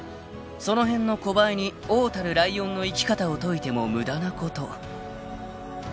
［その辺の小バエに王たるライオンの生き方を説いても無駄なこと］